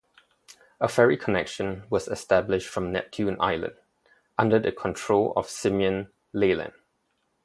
A ferry connection was established from Neptune Island, under the control of Simeon Leland.